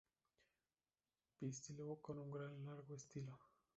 Pistilo con un largo estilo.